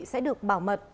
sẽ được bảo mật